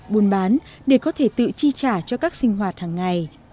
buôn bán để có thể tự chi trả cho các sinh hoạt hàng ngày